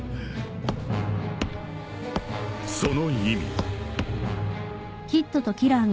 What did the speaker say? ［その意味］